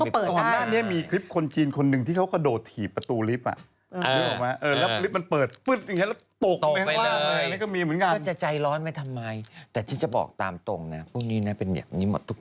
ตอนนั้นเนี่ยมีคลิปคนจีนคนหนึ่งว่าเขาโดดถี่ประตูลิฟต์